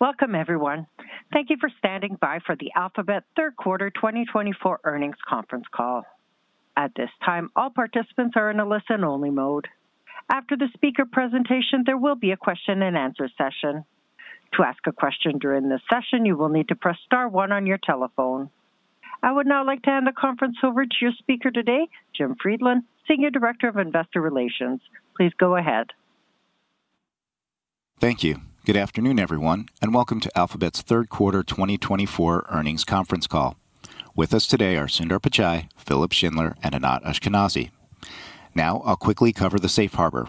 Welcome, everyone. Thank you for standing by for the Alphabet Third Quarter 2024 Earnings conference call. At this time, all participants are in a listen-only mode. After the speaker presentation, there will be a question-and-answer session. To ask a question during this session, you will need to press Star 1 on your telephone. I would now like to hand the conference over to your speaker today, Jim Friedland, Senior Director of Investor Relations. Please go ahead. Thank you. Good afternoon, everyone, and welcome to Alphabet's Third Quarter 2024 Earnings conference call. With us today are Sundar Pichai, Philipp Schindler, and Anat Ashkenazi. Now, I'll quickly cover the safe harbor.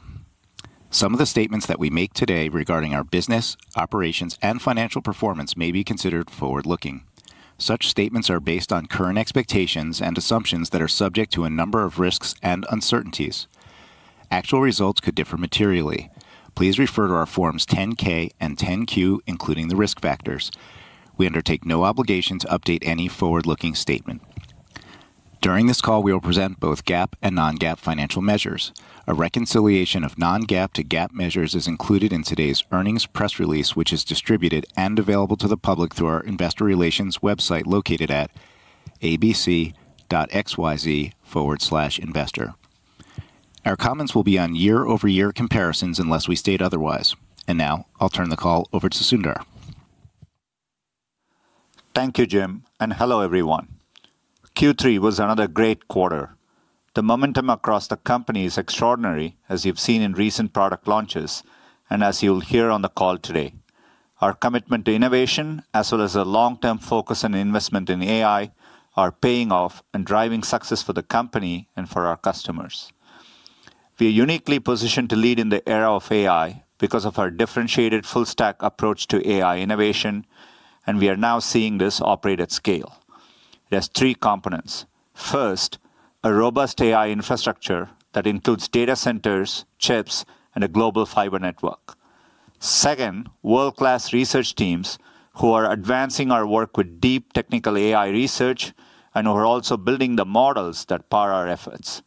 Some of the statements that we make today regarding our business, operations, and financial performance may be considered forward-looking. Such statements are based on current expectations and assumptions that are subject to a number of risks and uncertainties. Actual results could differ materially. Please refer to our Forms 10-K and 10-Q, including the risk factors. We undertake no obligation to update any forward-looking statement. During this call, we will present both GAAP and non-GAAP financial measures. A reconciliation of non-GAAP to GAAP measures is included in today's earnings press release, which is distributed and available to the public through our Investor Relations website located at abc.xyz/investor. Our comments will be on year-over-year comparisons unless we state otherwise. And now, I'll turn the call over to Sundar. Thank you, Jim. Hello, everyone. Q3 was another great quarter. The momentum across the company is extraordinary, as you've seen in recent product launches and as you'll hear on the call today. Our commitment to innovation, as well as a long-term focus on investment in AI, are paying off and driving success for the company and for our customers. We are uniquely positioned to lead in the era of AI because of our differentiated full-stack approach to AI innovation, and we are now seeing this operate at scale. It has three components. First, a robust AI infrastructure that includes data centers, chips, and a global fiber network. Second, world-class research teams who are advancing our work with deep technical AI research and who are also building the models that power our efforts.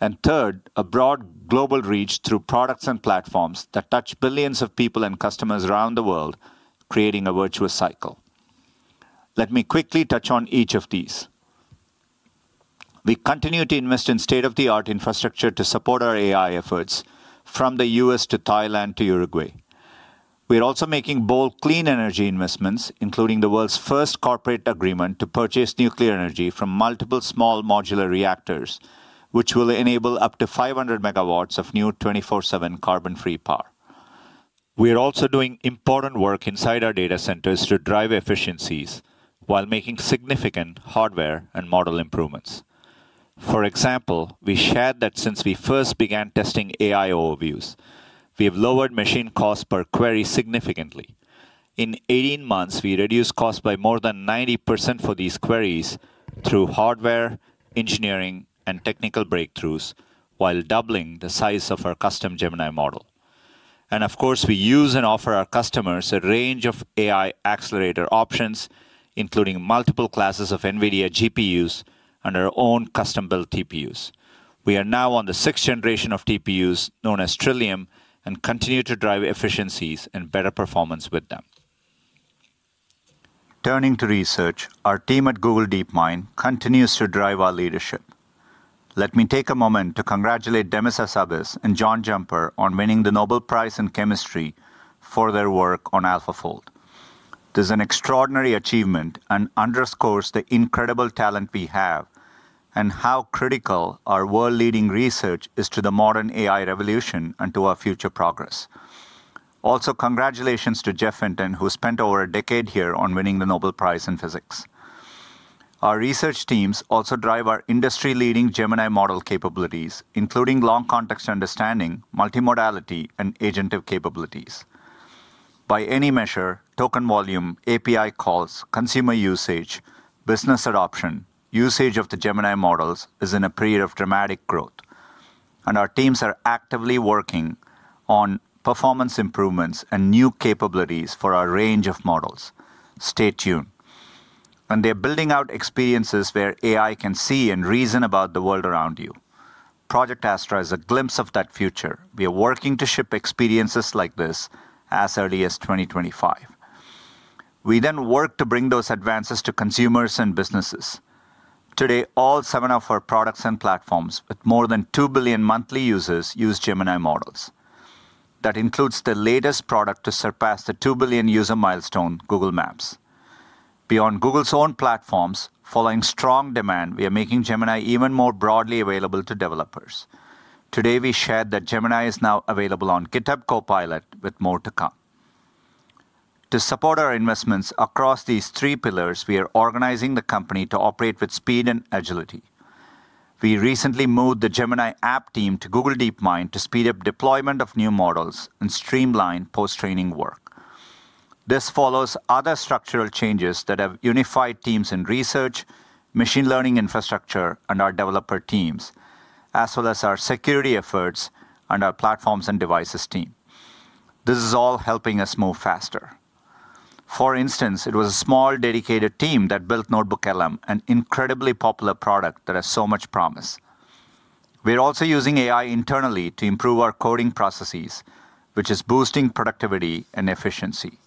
And third, a broad global reach through products and platforms that touch billions of people and customers around the world, creating a virtuous cycle. Let me quickly touch on each of these. We continue to invest in state-of-the-art infrastructure to support our AI efforts, from the U.S. to Thailand to Uruguay. We are also making bold clean energy investments, including the world's first corporate agreement to purchase nuclear energy from multiple small modular reactors, which will enable up to 500 megawatts of new 24/7 carbon-free power. We are also doing important work inside our data centers to drive efficiencies while making significant hardware and model improvements. For example, we shared that since we first began testing AI Overviews, we have lowered machine costs per query significantly. In 18 months, we reduced costs by more than 90% for these queries through hardware, engineering, and technical breakthroughs, while doubling the size of our custom Gemini model, and of course, we use and offer our customers a range of AI accelerator options, including multiple classes of NVIDIA GPUs and our own custom-built TPUs. We are now on the sixth generation of TPUs, known as Trillium, and continue to drive efficiencies and better performance with them. Turning to research, our team at Google DeepMind continues to drive our leadership. Let me take a moment to congratulate Demis Hassabis and John Jumper on winning the Nobel Prize in Chemistry for their work on AlphaFold. This is an extraordinary achievement and underscores the incredible talent we have and how critical our world-leading research is to the modern AI revolution and to our future progress. Also, congratulations to Geoffrey Hinton, who spent over a decade here on winning the Nobel Prize in Physics. Our research teams also drive our industry-leading Gemini model capabilities, including long-context understanding, multimodality, and agentive capabilities. By any measure, token volume, API calls, consumer usage, business adoption, and usage of the Gemini models is in a period of dramatic growth. And our teams are actively working on performance improvements and new capabilities for our range of models. Stay tuned. And they are building out experiences where AI can see and reason about the world around you. Project Astra is a glimpse of that future. We are working to ship experiences like this as early as 2025. We then work to bring those advances to consumers and businesses. Today, all seven of our products and platforms, with more than 2 billion monthly users, use Gemini models. That includes the latest product to surpass the 2 billion user milestone, Google Maps. Beyond Google's own platforms, following strong demand, we are making Gemini even more broadly available to developers. Today, we shared that Gemini is now available on GitHub Copilot, with more to come. To support our investments across these three pillars, we are organizing the company to operate with speed and agility. We recently moved the Gemini app team to Google DeepMind to speed up deployment of new models and streamline post-training work. This follows other structural changes that have unified teams in research, machine learning infrastructure, and our developer teams, as well as our security efforts and our platforms and devices team. This is all helping us move faster. For instance, it was a small dedicated team that built NotebookLM, an incredibly popular product that has so much promise. We are also using AI internally to improve our coding processes, which is boosting productivity and efficiency.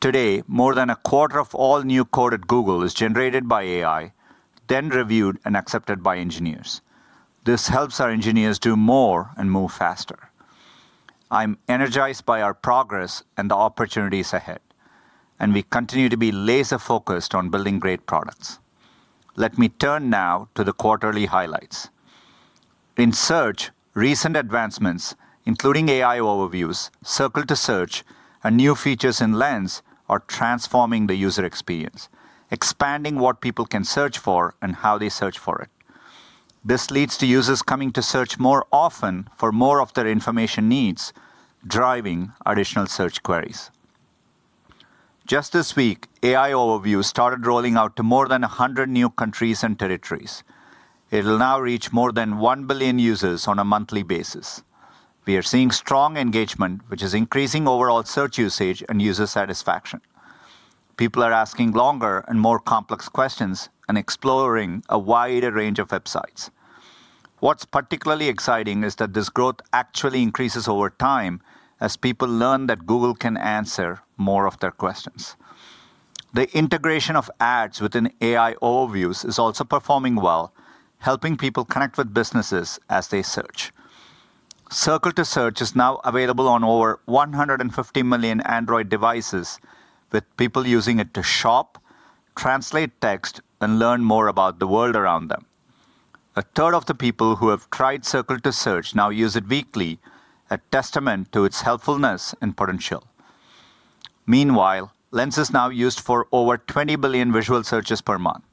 Today, more than a quarter of all new code at Google is generated by AI, then reviewed and accepted by engineers. This helps our engineers do more and move faster. I'm energized by our progress and the opportunities ahead, and we continue to be laser-focused on building great products. Let me turn now to the quarterly highlights. In Search, recent advancements, including AI Overviews, Circle to Search, and new features in Lens, are transforming the user experience, expanding what people can search for and how they search for it. This leads to users coming to Search more often for more of their information needs, driving additional search queries. Just this week, AI Overviews started rolling out to more than 100 new countries and territories. It will now reach more than 1 billion users on a monthly basis. We are seeing strong engagement, which is increasing overall Search usage and user satisfaction. People are asking longer and more complex questions and exploring a wider range of websites. What's particularly exciting is that this growth actually increases over time as people learn that Google can answer more of their questions. The integration of ads within AI Overviews is also performing well, helping people connect with businesses as they search. Circle to Search is now available on over 150 million Android devices, with people using it to shop, translate text, and learn more about the world around them. A third of the people who have tried Circle to Search now use it weekly, a testament to its helpfulness and potential. Meanwhile, Lens is now used for over 20 billion visual searches per month.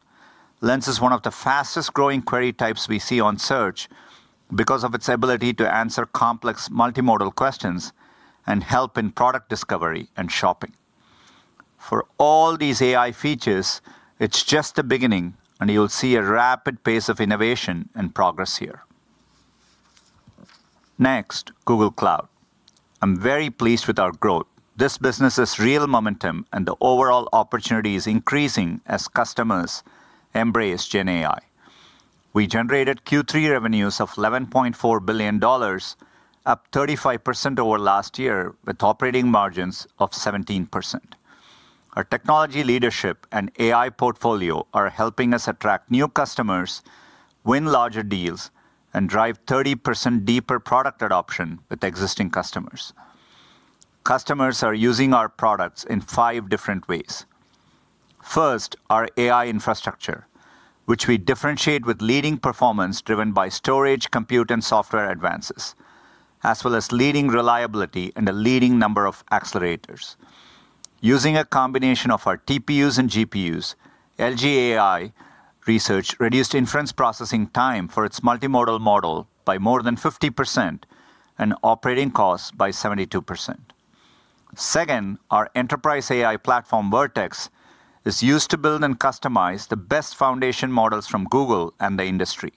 Lens is one of the fastest-growing query types we see on Search because of its ability to answer complex multimodal questions and help in product discovery and shopping. For all these AI features, it's just the beginning, and you'll see a rapid pace of innovation and progress here. Next, Google Cloud. I'm very pleased with our growth. This business has real momentum, and the overall opportunity is increasing as customers embrace GenAI. We generated Q3 revenues of $11.4 billion, up 35% over last year, with operating margins of 17%. Our technology leadership and AI portfolio are helping us attract new customers, win larger deals, and drive 30% deeper product adoption with existing customers. Customers are using our products in five different ways. First, our AI infrastructure, which we differentiate with leading performance driven by storage, compute, and software advances, as well as leading reliability and a leading number of accelerators. Using a combination of our TPUs and GPUs, LG AI Research reduced inference processing time for its multimodal model by more than 50% and operating costs by 72%. Second, our enterprise AI platform, Vertex, is used to build and customize the best foundation models from Google and the industry.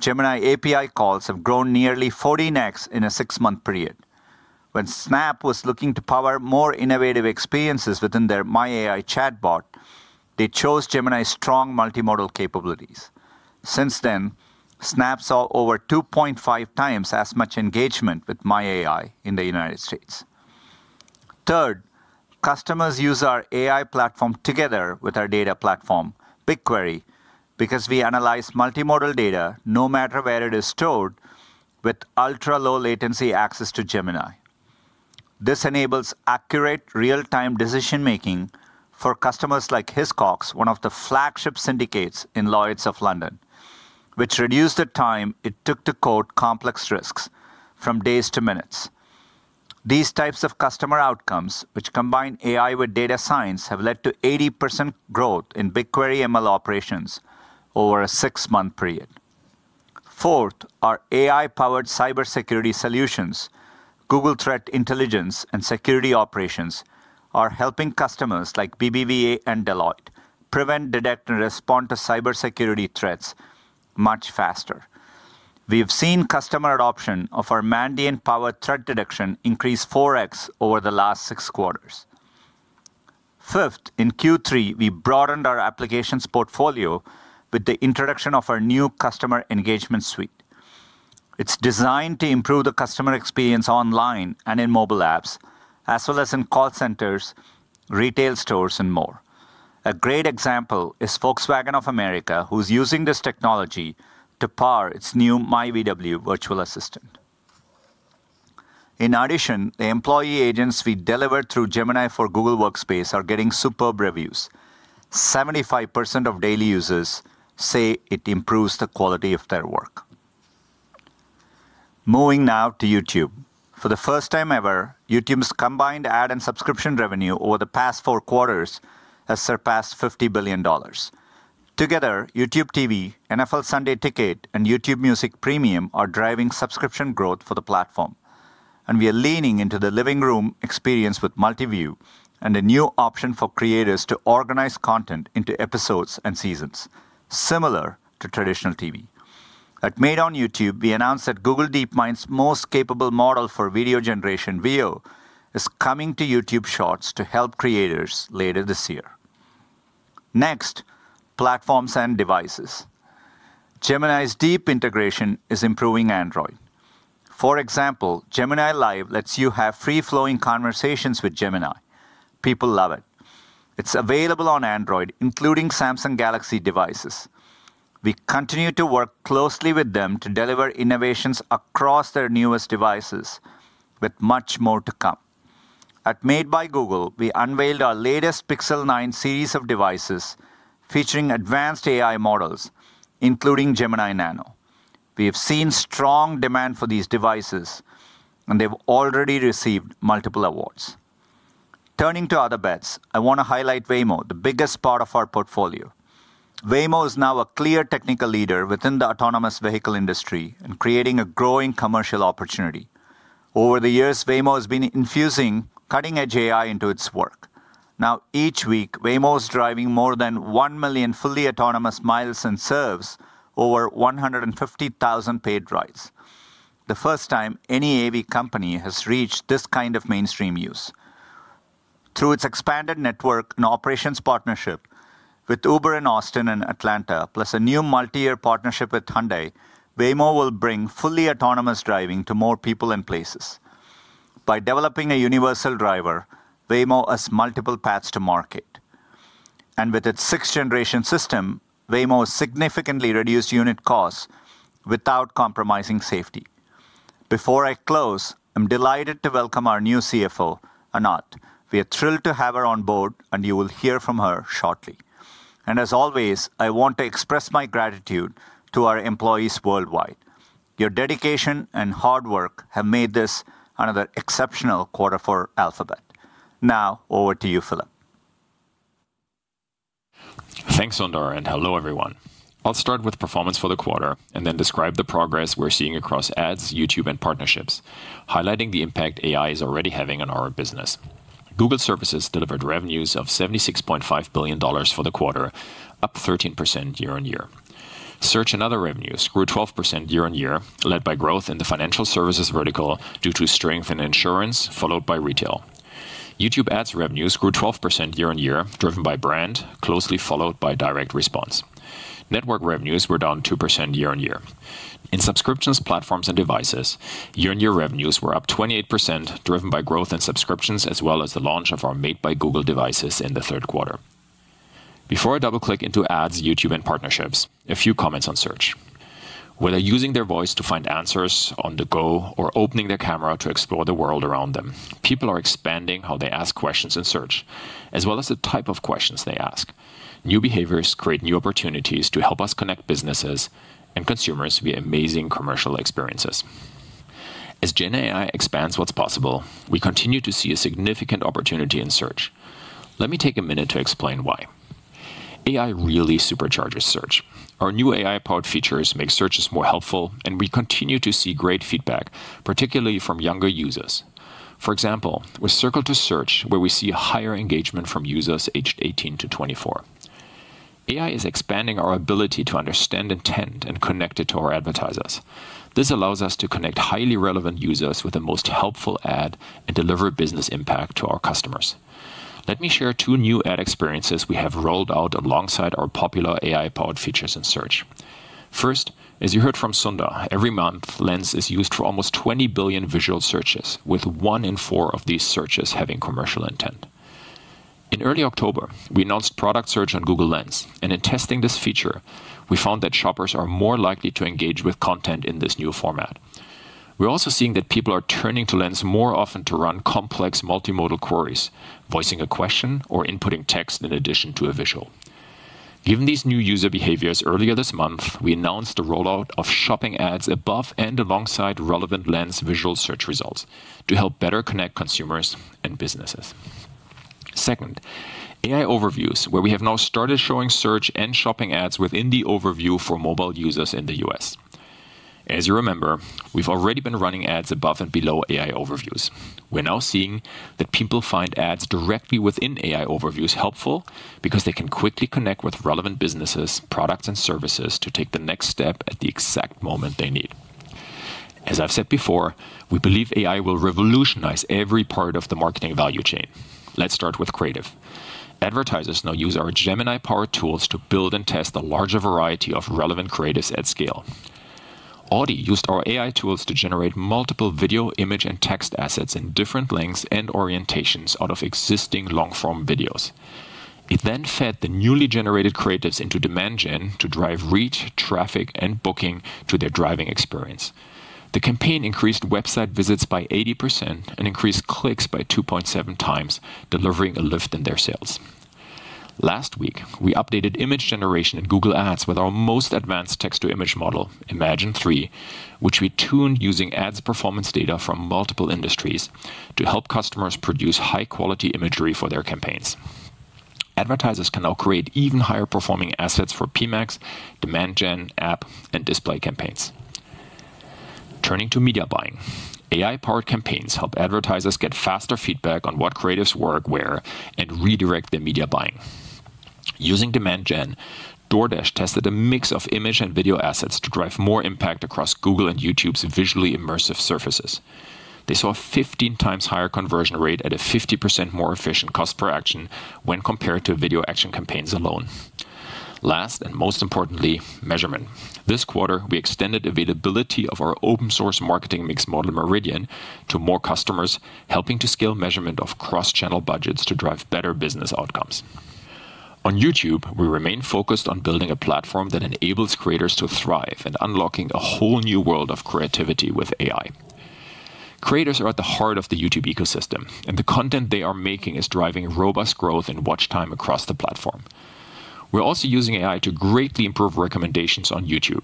Gemini API calls have grown nearly 14X in a six-month period. When Snap was looking to power more innovative experiences within their My AI chatbot, they chose Gemini's strong multimodal capabilities. Since then, Snap saw over 2.5 times as much engagement with My AI in the United States. Third, customers use our AI platform together with our data platform, BigQuery, because we analyze multimodal data no matter where it is stored with ultra-low-latency access to Gemini. This enables accurate, real-time decision-making for customers like Hiscox, one of the flagship syndicates in Lloyd's of London, which reduced the time it took to code complex risks from days to minutes. These types of customer outcomes, which combine AI with data science, have led to 80% growth in BigQuery ML operations over a six-month period. Fourth, our AI-powered cybersecurity solutions, Google Threat Intelligence and Security Operations, are helping customers like BBVA and Deloitte prevent, detect, and respond to cybersecurity threats much faster. We have seen customer adoption of our Mandiant-powered threat detection increase 4X over the last six quarters. Fifth, in Q3, we broadened our applications portfolio with the introduction of our new customer engagement suite. It's designed to improve the customer experience online and in mobile apps, as well as in call centers, retail stores, and more. A great example is Volkswagen of America, who is using this technology to power its new myVW Virtual Assistant. In addition, the employee agents we delivered through Gemini for Google Workspace are getting superb reviews. 75% of daily users say it improves the quality of their work. Moving now to YouTube. For the first time ever, YouTube's combined ad and subscription revenue over the past four quarters has surpassed $50 billion. Together, YouTube TV, NFL Sunday Ticket, and YouTube Music Premium are driving subscription growth for the platform and we are leaning into the living room experience with Multiview and a new option for creators to organize content into episodes and seasons, similar to traditional TV. At Made on YouTube, we announced that Google DeepMind's most capable model for video generation, Veo, is coming to YouTube Shorts to help creators later this year. Next, platforms and devices. Gemini's deep integration is improving Android. For example, Gemini Live lets you have free-flowing conversations with Gemini. People love it. It's available on Android, including Samsung Galaxy devices. We continue to work closely with them to deliver innovations across their newest devices, with much more to come. At Made by Google, we unveiled our latest Pixel 9 series of devices featuring advanced AI models, including Gemini Nano. We have seen strong demand for these devices, and they've already received multiple awards. Turning to other bets, I want to highlight Waymo, the biggest part of our portfolio. Waymo is now a clear technical leader within the autonomous vehicle industry and creating a growing commercial opportunity. Over the years, Waymo has been infusing cutting-edge AI into its work. Now, each week, Waymo is driving more than one million fully autonomous miles and serves over 150,000 paid rides. The first time any AV company has reached this kind of mainstream use. Through its expanded network and operations partnership with Uber in Austin and Atlanta, plus a new multi-year partnership with Hyundai, Waymo will bring fully autonomous driving to more people and places. By developing a universal driver, Waymo has multiple paths to market. And with its sixth-generation system, Waymo has significantly reduced unit costs without compromising safety. Before I close, I'm delighted to welcome our new CFO, Anat. We are thrilled to have her on board, and you will hear from her shortly. And as always, I want to express my gratitude to our employees worldwide. Your dedication and hard work have made this another exceptional quarter for Alphabet. Now, over to you, Philipp. Thanks, Sundar, and hello, everyone. I'll start with performance for the quarter and then describe the progress we're seeing across ads, YouTube, and partnerships, highlighting the impact AI is already having on our business. Google Services delivered revenues of $76.5 billion for the quarter, up 13% year-on-year. Search and other revenues grew 12% year-on-year, led by growth in the financial services vertical due to strength in insurance, followed by retail. YouTube Ads revenues grew 12% year-on-year, driven by brand, closely followed by direct response. Network revenues were down 2% year-on-year. In subscriptions, platforms, and devices, year-on-year revenues were up 28%, driven by growth in subscriptions, as well as the launch of our Made by Google devices in the third quarter. Before I double-click into ads, YouTube, and partnerships, a few comments on Search. Whether using their voice to find answers on the go or opening their camera to explore the world around them, people are expanding how they ask questions in Search, as well as the type of questions they ask. New behaviors create new opportunities to help us connect businesses and consumers via amazing commercial experiences. As GenAI expands what's possible, we continue to see a significant opportunity in Search. Let me take a minute to explain why. AI really supercharges Search. Our new AI-powered features make searches more helpful, and we continue to see great feedback, particularly from younger users. For example, with Circle to Search, where we see higher engagement from users aged 18 to 24. AI is expanding our ability to understand intent and connect it to our advertisers. This allows us to connect highly relevant users with the most helpful ad and deliver business impact to our customers. Let me share two new ad experiences we have rolled out alongside our popular AI-powered features in Search. First, as you heard from Sundar, every month, Lens is used for almost 20 billion visual searches, with one in four of these searches having commercial intent. In early October, we announced product Search on Google Lens, and in testing this feature, we found that shoppers are more likely to engage with content in this new format. We're also seeing that people are turning to Lens more often to run complex multimodal queries, voicing a question or inputting text in addition to a visual. Given these new user behaviors, earlier this month, we announced the rollout of shopping ads above and alongside relevant Lens visual search results to help better connect consumers and businesses. Second, AI Overviews, where we have now started showing Search and shopping ads within the overview for mobile users in the U.S. As you remember, we've already been running ads above and below AI Overviews. We're now seeing that people find ads directly within AI Overviews helpful because they can quickly connect with relevant businesses, products, and services to take the next step at the exact moment they need. As I've said before, we believe AI will revolutionize every part of the marketing value chain. Let's start with creative. Advertisers now use our Gemini-powered tools to build and test a larger variety of relevant creatives at scale. Audi used our AI tools to generate multiple video, image, and text assets in different lengths and orientations out of existing long-form videos. It then fed the newly generated creatives into Demand Gen to drive reach, traffic, and booking to their driving experience. The campaign increased website visits by 80% and increased clicks by 2.7 times, delivering a lift in their sales. Last week, we updated image generation in Google Ads with our most advanced text-to-image model, Imagen 3, which we tuned using ads performance data from multiple industries to help customers produce high-quality imagery for their campaigns. Advertisers can now create even higher-performing assets for PMax, Demand Gen, App, and Display campaigns. Turning to media buying, AI-powered campaigns help advertisers get faster feedback on what creatives work where and redirect the media buying. Using Demand Gen, DoorDash tested a mix of image and video assets to drive more impact across Google and YouTube's visually immersive surfaces. They saw a 15 times higher conversion rate at a 50% more efficient cost per action when compared to Video Action campaigns alone. Last and most importantly, measurement. This quarter, we extended availability of our open-source marketing mix model, Meridian, to more customers, helping to scale measurement of cross-channel budgets to drive better business outcomes. On YouTube, we remain focused on building a platform that enables creators to thrive and unlocking a whole new world of creativity with AI. Creators are at the heart of the YouTube ecosystem, and the content they are making is driving robust growth in watch time across the platform. We're also using AI to greatly improve recommendations on YouTube.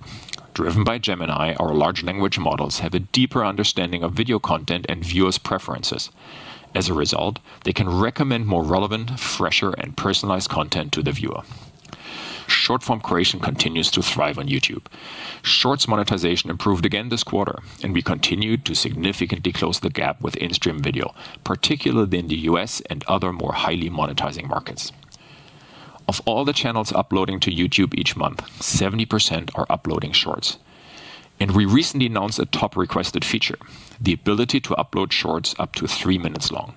Driven by Gemini, our large language models have a deeper understanding of video content and viewers' preferences. As a result, they can recommend more relevant, fresher, and personalized content to the viewer. Short-form creation continues to thrive on YouTube. Shorts monetization improved again this quarter, and we continue to significantly close the gap with in-stream video, particularly in the U.S. and other more highly monetizing markets. Of all the channels uploading to YouTube each month, 70% are uploading Shorts, and we recently announced a top requested feature, the ability to upload Shorts up to three minutes long.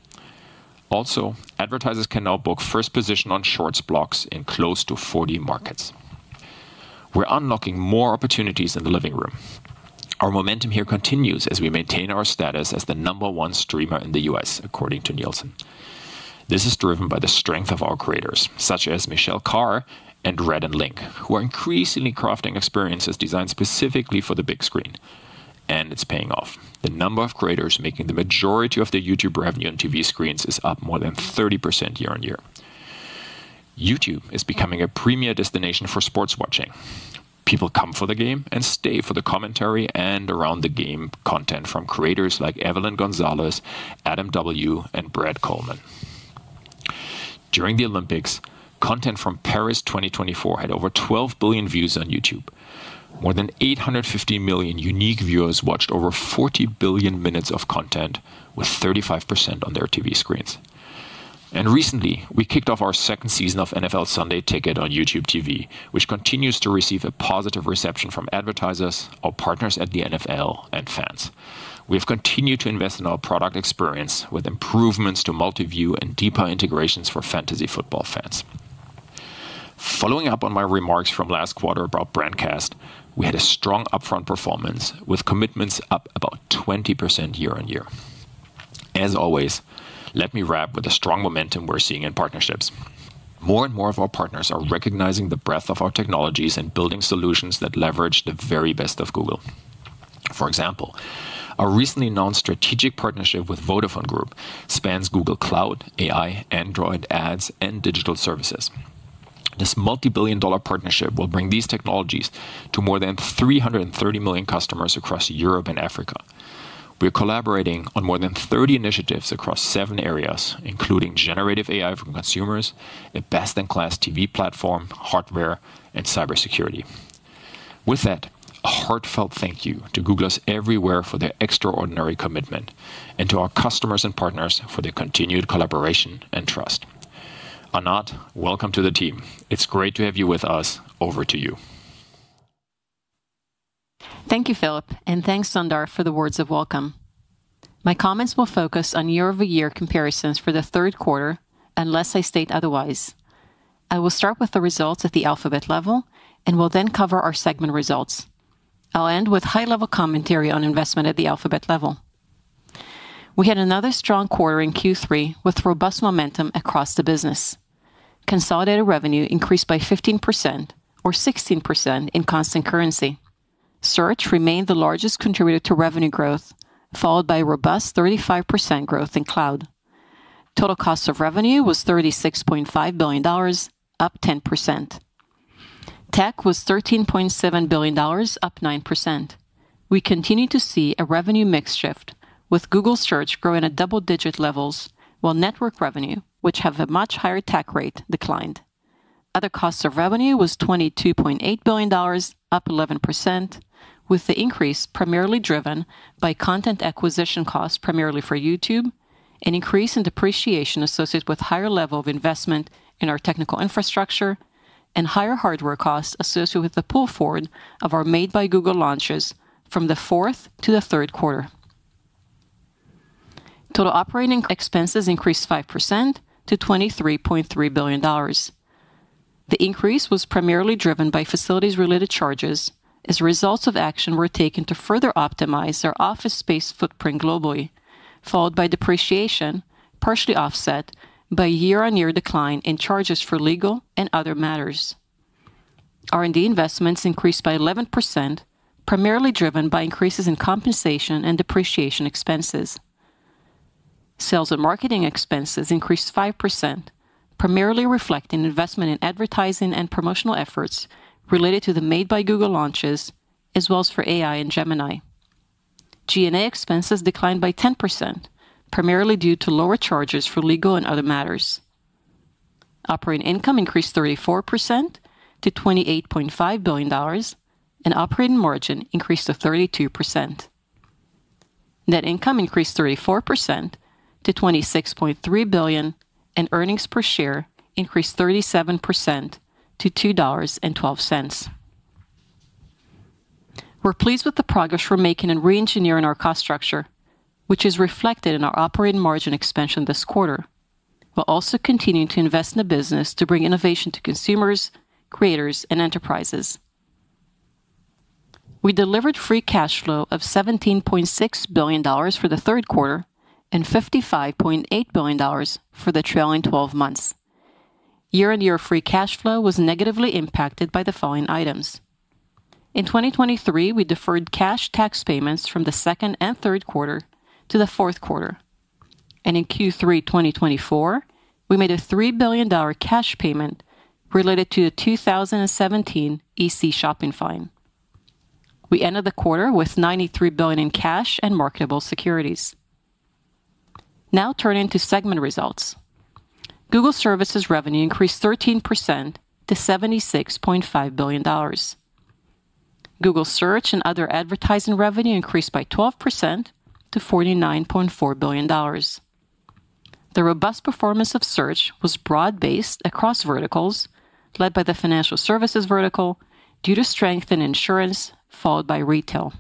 Also, advertisers can now book First Position on Shorts blocks in close to 40 markets. We're unlocking more opportunities in the living room. Our momentum here continues as we maintain our status as the number one streamer in the U.S., according to Nielsen. This is driven by the strength of our creators, such as Michelle Khare and Rhett & Link, who are increasingly crafting experiences designed specifically for the big screen, and it's paying off. The number of creators making the majority of their YouTube revenue on TV screens is up more than 30% year-on-year. YouTube is becoming a premier destination for sports watching. People come for the game and stay for the commentary and around-the-game content from creators like Evelyn Gonzalez, Adam W., and Brett Kollmann. During the Olympics, content from Paris 2024 had over 12 billion views on YouTube. More than 850 million unique viewers watched over 40 billion minutes of content, with 35% on their TV screens. And recently, we kicked off our second season of NFL Sunday Ticket on YouTube TV, which continues to receive a positive reception from advertisers, our partners at the NFL, and fans. We have continued to invest in our product experience with improvements to Multiview and deeper integrations for fantasy football fans. Following up on my remarks from last quarter about Brandcast, we had a strong upfront performance with commitments up about 20% year-on-year. As always, let me wrap with the strong momentum we're seeing in partnerships. More and more of our partners are recognizing the breadth of our technologies and building solutions that leverage the very best of Google. For example, a recently announced strategic partnership with Vodafone Group spans Google Cloud, AI, Android ads, and digital services. This multi-billion-dollar partnership will bring these technologies to more than 330 million customers across Europe and Africa. We're collaborating on more than 30 initiatives across seven areas, including generative AI for consumers, a best-in-class TV platform, hardware, and cybersecurity. With that, a heartfelt thank you to Googlers everywhere for their extraordinary commitment and to our customers and partners for their continued collaboration and trust. Anat, welcome to the team. It's great to have you with us. Over to you. Thank you, Philipp, and thanks, Sundar, for the words of welcome. My comments will focus on year-over-year comparisons for the third quarter, unless I state otherwise. I will start with the results at the Alphabet level and will then cover our segment results. I'll end with high-level commentary on investment at the Alphabet level. We had another strong quarter in Q3 with robust momentum across the business. Consolidated revenue increased by 15% or 16% in constant currency. Search remained the largest contributor to revenue growth, followed by robust 35% growth in Cloud. Total cost of revenue was $36.5 billion, up 10%. Tech was $13.7 billion, up 9%. We continue to see a revenue mix shift, with Google Search growing at double-digit levels, while network revenue, which has a much higher Tech rate, declined. Other costs of revenue was $22.8 billion, up 11%, with the increase primarily driven by content acquisition costs primarily for YouTube, an increase in depreciation associated with a higher level of investment in our technical infrastructure, and higher hardware costs associated with the pull forward of our Made by Google launches from the fourth to the third quarter. Total operating expenses increased 5% to $23.3 billion. The increase was primarily driven by facilities-related charges, as a result of actions taken to further optimize our office space footprint globally, followed by depreciation, partially offset by year-on-year decline in charges for legal and other matters. R&D investments increased by 11%, primarily driven by increases in compensation and depreciation expenses. Sales and marketing expenses increased 5%, primarily reflecting investment in advertising and promotional efforts related to the Made by Google launches, as well as for AI and Gemini. G&A expenses declined by 10%, primarily due to lower charges for legal and other matters. Operating income increased 34% to $28.5 billion, and operating margin increased to 32%. Net income increased 34% to $26.3 billion, and earnings per share increased 37% to $2.12. We're pleased with the progress we're making in re-engineering our cost structure, which is reflected in our operating margin expansion this quarter. We'll also continue to invest in the business to bring innovation to consumers, creators, and enterprises. We delivered free cash flow of $17.6 billion for the third quarter and $55.8 billion for the trailing 12 months. Year-on-year free cash flow was negatively impacted by the following items. In 2023, we deferred cash tax payments from the second and third quarter to the fourth quarter, and in Q3 2024, we made a $3 billion cash payment related to the 2017 EC shopping fine. We ended the quarter with $93 billion in cash and marketable securities. Now turning to segment results. Google Services revenue increased 13% to $76.5 billion. Google Search and other advertising revenue increased by 12% to $49.4 billion. The robust performance of Search was broad-based across verticals, led by the financial services vertical, due to strength in insurance, followed by retail.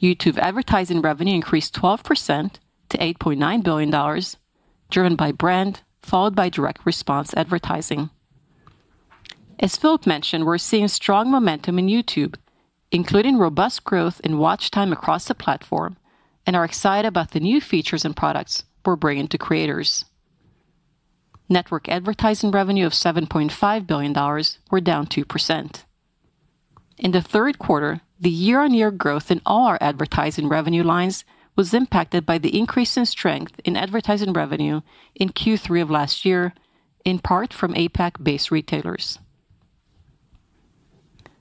YouTube advertising revenue increased 12% to $8.9 billion, driven by brand, followed by direct response advertising. As Philipp mentioned, we're seeing strong momentum in YouTube, including robust growth in watch time across the platform, and are excited about the new features and products we're bringing to creators. Network advertising revenue of $7.5 billion were down 2%. In the third quarter, the year-on-year growth in all our advertising revenue lines was impacted by the increase in strength in advertising revenue in Q3 of last year, in part from APAC-based retailers.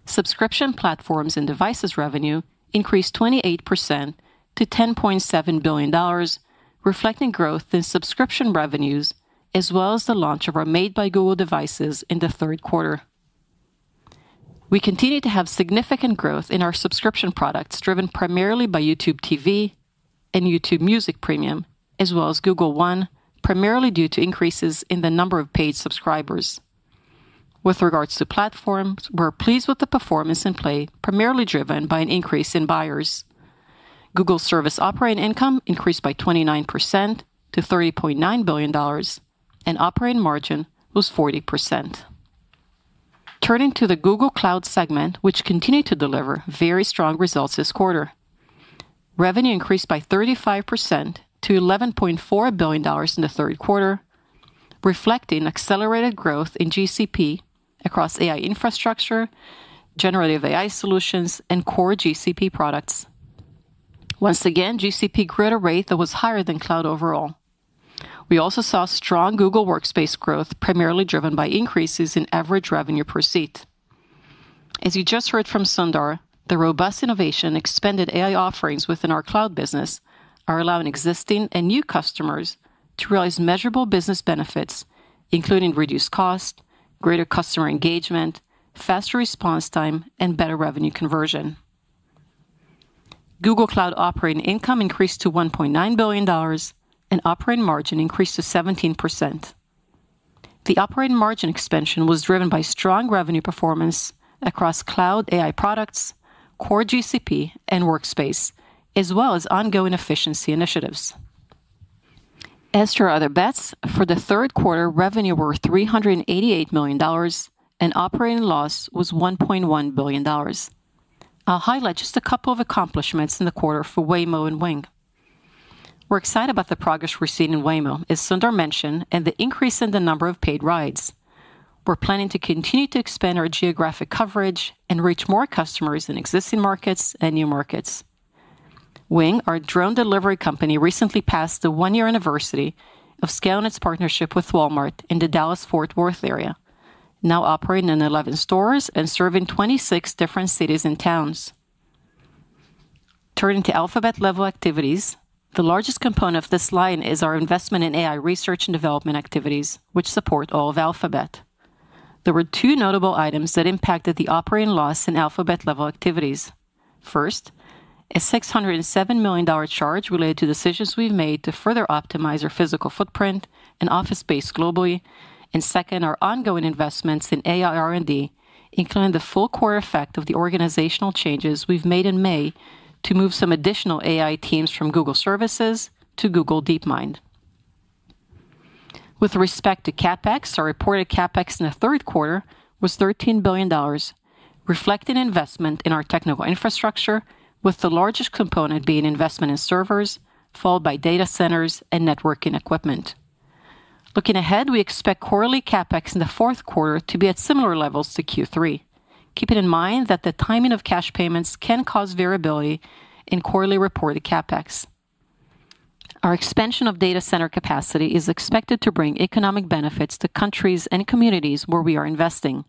Subscription platforms and devices revenue increased 28% to $10.7 billion, reflecting growth in subscription revenues, as well as the launch of our Made by Google devices in the third quarter. We continue to have significant growth in our subscription products driven primarily by YouTube TV and YouTube Music Premium, as well as Google One, primarily due to increases in the number of paid subscribers. With regards to platforms, we're pleased with the performance in Play, primarily driven by an increase in buyers. Google Services operating income increased by 29% to $30.9 billion, and operating margin was 40%. Turning to the Google Cloud segment, which continued to deliver very strong results this quarter. Revenue increased by 35% to $11.4 billion in the third quarter, reflecting accelerated growth in GCP across AI infrastructure, generative AI solutions, and core GCP products. Once again, GCP grew at a rate that was higher than Cloud overall. We also saw strong Google Workspace growth, primarily driven by increases in average revenue per seat. As you just heard from Sundar, the robust innovation and expanded AI offerings within our Cloud business are allowing existing and new customers to realize measurable business benefits, including reduced cost, greater customer engagement, faster response time, and better revenue conversion. Google Cloud operating income increased to $1.9 billion, and operating margin increased to 17%. The operating margin expansion was driven by strong revenue performance across Cloud AI products, core GCP, and Workspace, as well as ongoing efficiency initiatives. As to our other bets, for the third quarter, revenue were $388 million, and operating loss was $1.1 billion. I'll highlight just a couple of accomplishments in the quarter for Waymo and Wing. We're excited about the progress we're seeing in Waymo, as Sundar mentioned, and the increase in the number of paid rides. We're planning to continue to expand our geographic coverage and reach more customers in existing markets and new markets. Wing, our drone delivery company, recently passed the one-year anniversary of scaling its partnership with Walmart in the Dallas-Fort Worth area, now operating in 11 stores and serving 26 different cities and towns. Turning to Alphabet-level activities, the largest component of this line is our investment in AI research and development activities, which support all of Alphabet. There were two notable items that impacted the operating loss in Alphabet-level activities. First, a $607 million charge related to decisions we've made to further optimize our physical footprint and office space globally. And second, our ongoing investments in AI R&D, including the full quarter effect of the organizational changes we've made in May to move some additional AI teams from Google Services to Google DeepMind. With respect to CapEx, our reported CapEx in the third quarter was $13 billion, reflecting investment in our technical infrastructure, with the largest component being investment in servers, followed by data centers and networking equipment. Looking ahead, we expect quarterly CapEx in the fourth quarter to be at similar levels to Q3, keeping in mind that the timing of cash payments can cause variability in quarterly reported CapEx. Our expansion of data center capacity is expected to bring economic benefits to countries and communities where we are investing.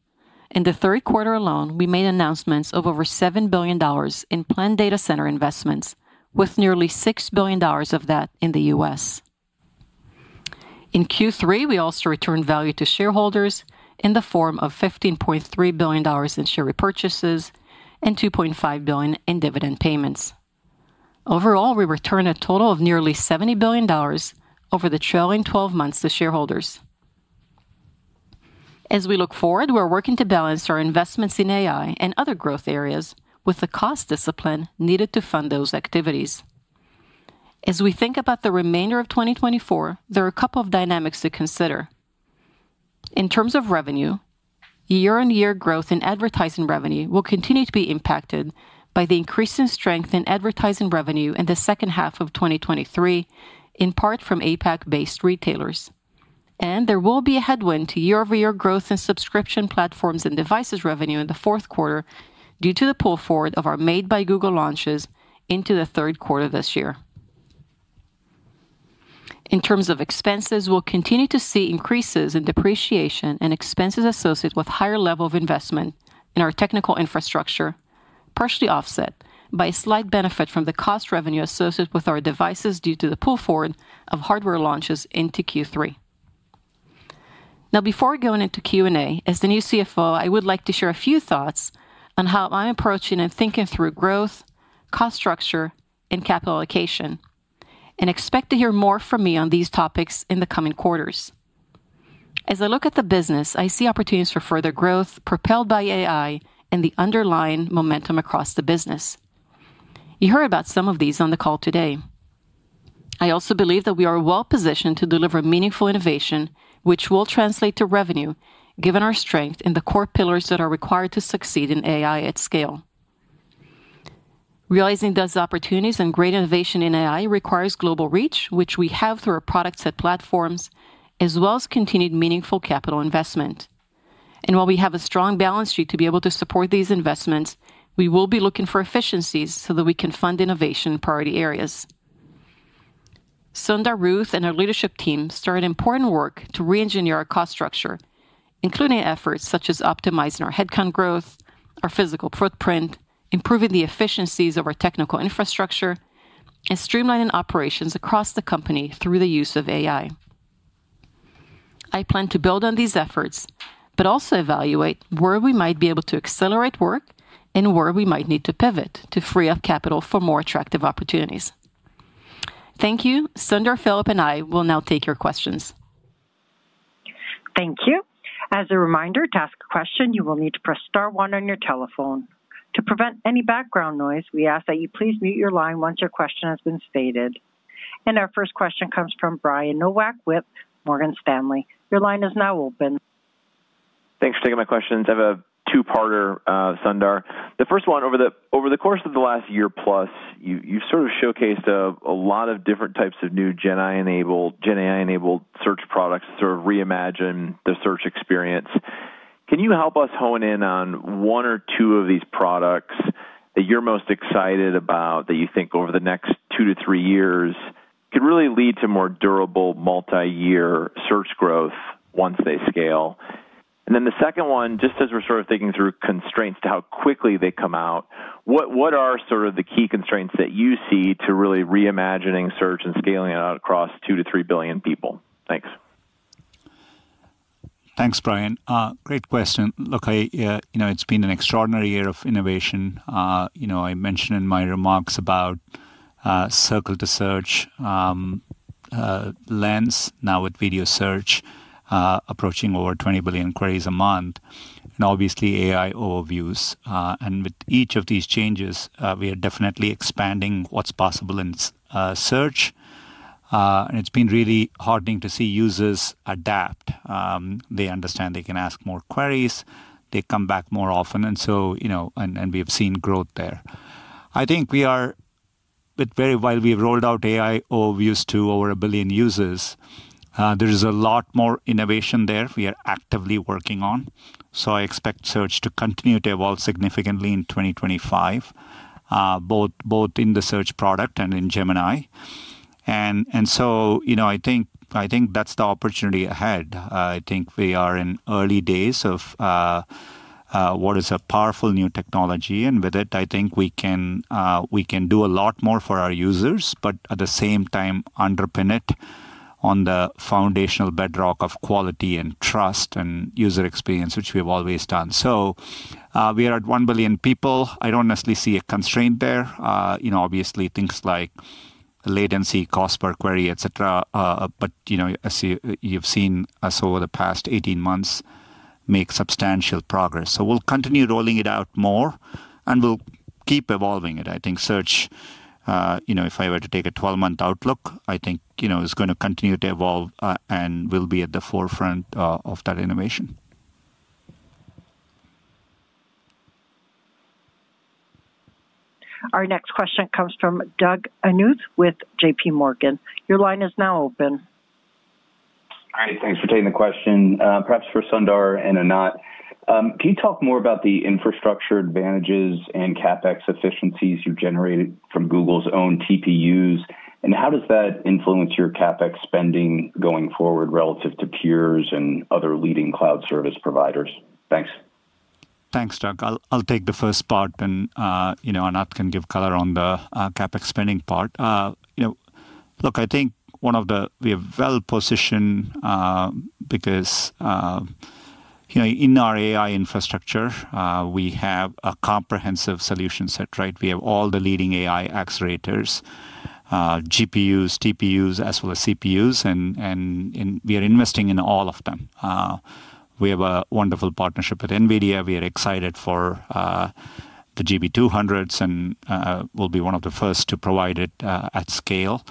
In the third quarter alone, we made announcements of over $7 billion in planned data center investments, with nearly $6 billion of that in the U.S. In Q3, we also returned value to shareholders in the form of $15.3 billion in share repurchases and $2.5 billion in dividend payments. Overall, we returned a total of nearly $70 billion over the trailing 12 months to shareholders. As we look forward, we're working to balance our investments in AI and other growth areas with the cost discipline needed to fund those activities. As we think about the remainder of 2024, there are a couple of dynamics to consider. In terms of revenue, year-on-year growth in advertising revenue will continue to be impacted by the increase in strength in advertising revenue in the second half of 2023, in part from APAC-based retailers, and there will be a headwind to year-over-year growth in subscription platforms and devices revenue in the fourth quarter due to the pull forward of our Made by Google launches into the third quarter this year. In terms of expenses, we'll continue to see increases in depreciation and expenses associated with a higher level of investment in our tech infrastructure, partially offset by a slight benefit from the cost of revenue associated with our devices due to the pull forward of hardware launches into Q3. Now, before we go into Q&A, as the new CFO, I would like to share a few thoughts on how I'm approaching and thinking through growth, cost structure, and capitalization, and expect to hear more from me on these topics in the coming quarters. As I look at the business, I see opportunities for further growth propelled by AI and the underlying momentum across the business. You heard about some of these on the call today. I also believe that we are well-positioned to deliver meaningful innovation, which will translate to revenue, given our strength in the core pillars that are required to succeed in AI at scale. Realizing those opportunities and great innovation in AI requires global reach, which we have through our products and platforms, as well as continued meaningful capital investment. And while we have a strong balance sheet to be able to support these investments, we will be looking for efficiencies so that we can fund innovation in priority areas. Sundar and Ruth and our leadership team started important work to re-engineer our cost structure, including efforts such as optimizing our headcount growth, our physical footprint, improving the efficiencies of our technical infrastructure, and streamlining operations across the company through the use of AI. I plan to build on these efforts, but also evaluate where we might be able to accelerate work and where we might need to pivot to free up capital for more attractive opportunities. Thank you. Sundar, Philipp, and I will now take your questions. Thank you. As a reminder, to ask a question, you will need to press star one on your telephone. To prevent any background noise, we ask that you please mute your line once your question has been stated. Our first question comes from Brian Nowak with Morgan Stanley. Your line is now open. Thanks for taking my questions. I have a two-parter, Sundar. The first one, over the course of the last year plus, you've sort of showcased a lot of different types of new GenAI-enabled search products to sort of reimagine the search experience. Can you help us hone in on one or two of these products that you're most excited about that you think over the next two to three years could really lead to more durable multi-year search growth once they scale? And then the second one, just as we're sort of thinking through constraints to how quickly they come out, what are sort of the key constraints that you see to really reimagining Search and scaling it out across two to three billion people? Thanks. Thanks, Brian. Great question. Look, it's been an extraordinary year of innovation. I mentioned in my remarks about Circle to Search, Lens, now with video search approaching over 20 billion queries a month, and obviously AI Overviews. And with each of these changes, we are definitely expanding what's possible in Search. And it's been really heartening to see users adapt. They understand they can ask more queries. They come back more often, and we have seen growth there. I think we are very well while we've rolled out AI Overviews to over a billion users. There is a lot more innovation there we are actively working on. I expect Search to continue to evolve significantly in 2025, both in the search product and in Gemini. That is the opportunity ahead. I think we are in early days of what is a powerful new technology. With it, I think we can do a lot more for our users, but at the same time, underpin it on the foundational bedrock of quality and trust and user experience, which we have always done. We are at one billion people. I do not necessarily see a constraint there. Obviously, things like latency, cost per query, et cetera, but as you've seen us over the past 18 months make substantial progress. So we'll continue rolling it out more, and we'll keep evolving it. I think Search, if I were to take a 12-month outlook, I think is going to continue to evolve and will be at the forefront of that innovation. Our next question comes from Doug Anmuth with JPMorgan. Your line is now open. All right. Thanks for taking the question. Perhaps for Sundar and Anat can you talk more about the infrastructure advantages and CapEx efficiencies you've generated from Google's own TPUs? And how does that influence your CapEx spending going forward relative to peers and other leading cloud service providers? Thanks. Thanks, Doug. I'll take the first part, and Anat can give color on the CapEx spending part. Look, I think we are well-positioned because in our AI infrastructure, we have a comprehensive solution set. We have all the leading AI accelerators, GPUs, TPUs, as well as CPUs, and we are investing in all of them. We have a wonderful partnership with NVIDIA. We are excited for the GB200s and will be one of the first to provide it at scale.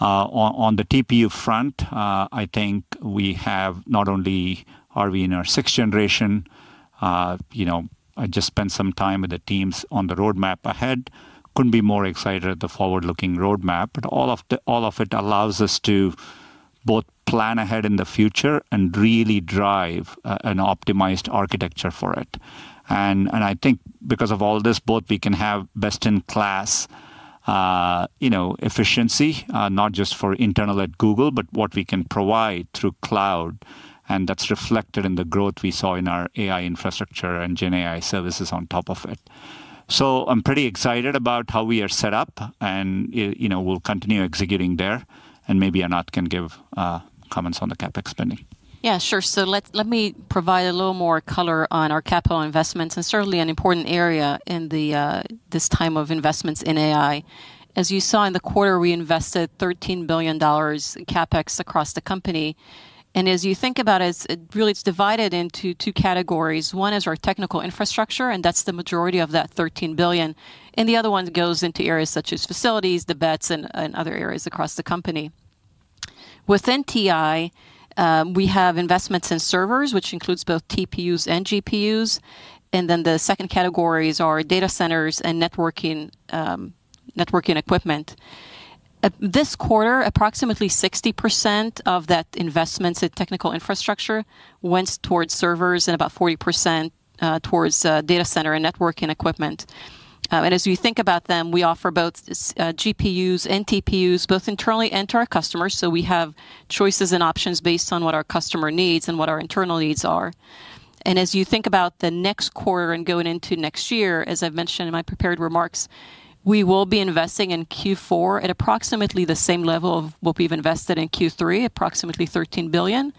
On the TPU front, I think not only are we in our sixth generation. I just spent some time with the teams on the roadmap ahead. Couldn't be more excited at the forward-looking roadmap. But all of it allows us to both plan ahead in the future and really drive an optimized architecture for it. And I think because of all this, both we can have best-in-class efficiency, not just for internal at Google, but what we can provide through Cloud. And that's reflected in the growth we saw in our AI infrastructure and GenAI services on top of it. So I'm pretty excited about how we are set up, and we'll continue executing there. And maybe Anat can give comments on the CapEx spending. Yeah, sure. So let me provide a little more color on our CapEx investments, and certainly an important area in this time of investments in AI. As you saw in the quarter, we invested $13 billion in CapEx across the company. And as you think about it, it's really divided into two categories. One is our technical infrastructure, and that's the majority of that $13 billion. And the other one goes into areas such as facilities, the bets, and other areas across the company. Within TI, we have investments in servers, which includes both TPUs and GPUs. The second categories are data centers and networking equipment. This quarter, approximately 60% of that investments in technical infrastructure went towards servers and about 40% towards data center and networking equipment. And as you think about them, we offer both GPUs and TPUs, both internally and to our customers. So we have choices and options based on what our customer needs and what our internal needs are. And as you think about the next quarter and going into next year, as I've mentioned in my prepared remarks, we will be investing in Q4 at approximately the same level of what we've invested in Q3, approximately $13 billion.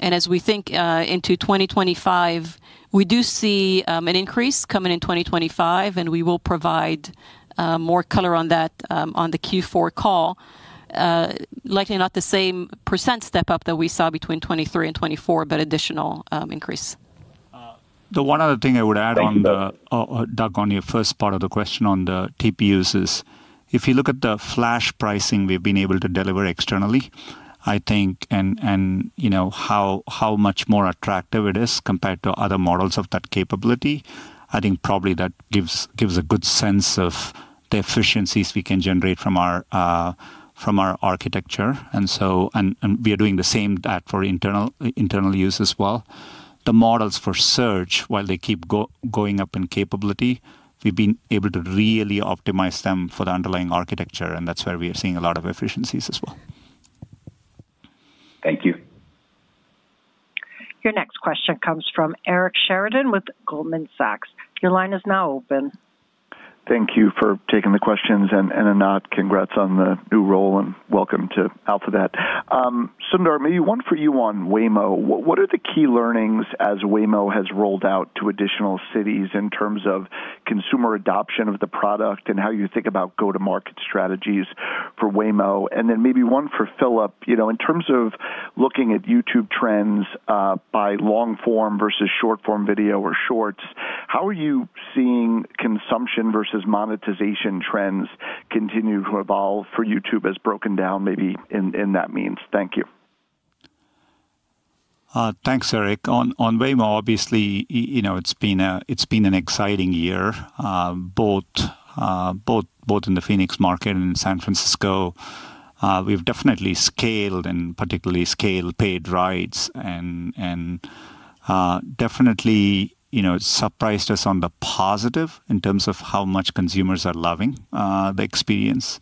And as we think into 2025, we do see an increase coming in 2025, and we will provide more color on that on the Q4 call. Likely not the same percent step-up that we saw between 2023 and 2024, but additional increase. The one other thing I would add on the, Doug, on your first part of the question on the TPUs is, if you look at the flash pricing we've been able to deliver externally, I think, and how much more attractive it is compared to other models of that capability, I think probably that gives a good sense of the efficiencies we can generate from our architecture. And we are doing the same for internal use as well. The models for Search, while they keep going up in capability, we've been able to really optimize them for the underlying architecture. And that's where we are seeing a lot of efficiencies as well. Thank you. Your next question comes from Eric Sheridan with Goldman Sachs. Your line is now open. Thank you for taking the questions. And Anat, congrats on the new role and welcome to Alphabet. Sundar, maybe one for you on Waymo. What are the key learnings as Waymo has rolled out to additional cities in terms of consumer adoption of the product and how you think about go-to-market strategies for Waymo? And then maybe one for Philipp, in terms of looking at YouTube trends by long-form versus short-form video or shorts, how are you seeing consumption versus monetization trends continue to evolve for YouTube as broken down maybe in that manner? Thank you. Thanks, Eric. On Waymo, obviously, it's been an exciting year, both in the Phoenix market and in San Francisco. We've definitely scaled and particularly scaled paid rides and definitely surprised us on the positive in terms of how much consumers are loving the experience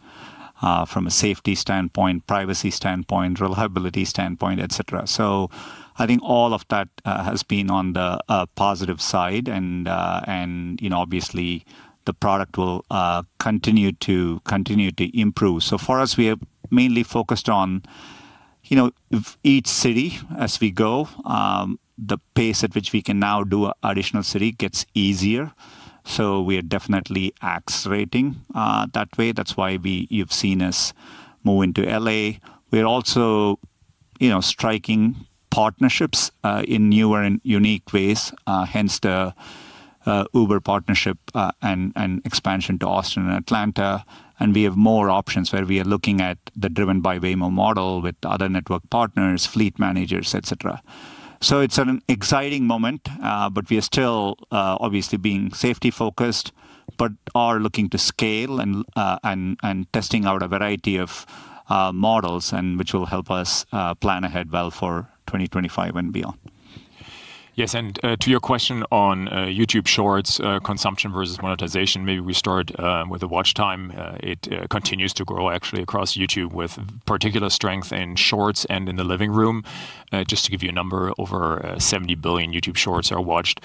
from a safety standpoint, privacy standpoint, reliability standpoint, et cetera. So I think all of that has been on the positive side. And obviously, the product will continue to improve. So for us, we have mainly focused on each city as we go. The pace at which we can now do additional city gets easier. So we are definitely accelerating that way. That's why you've seen us move into LA. We're also striking partnerships in newer and unique ways, hence the Uber partnership and expansion to Austin and Atlanta. And we have more options where we are looking at the driven-by-Waymo model with other network partners, fleet managers, et cetera. So it's an exciting moment, but we are still obviously being safety-focused, but are looking to scale and testing out a variety of models which will help us plan ahead well for 2025 and beyond. Yes. And to your question on YouTube Shorts consumption versus monetization, maybe we start with the watch time. It continues to grow, actually, across YouTube with particular strength in Shorts and in the living room. Just to give you a number, over 70 billion YouTube Shorts are watched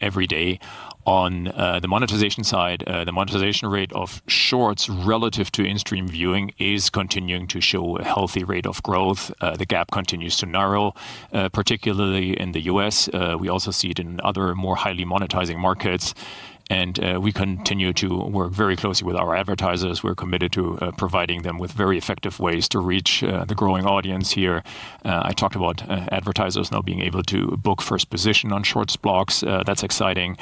every day. On the monetization side, the monetization rate of Shorts relative to in-stream viewing is continuing to show a healthy rate of growth. The gap continues to narrow, particularly in the US. We also see it in other more highly monetizing markets. And we continue to work very closely with our advertisers. We're committed to providing them with very effective ways to reach the growing audience here. I talked about advertisers now being able to book First Position on Shorts blocks. That's exciting.